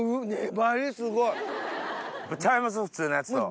普通のやつと。